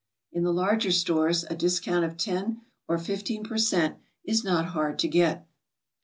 In the larger stores, a dis count of ten or fifteen per cent, is not hard to get.